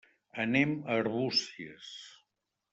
Anem a Arbúcies.